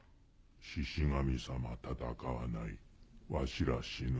シシ神様戦わないわしら死ぬ。